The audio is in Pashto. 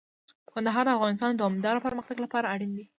کندهار د افغانستان د دوامداره پرمختګ لپاره اړین دی.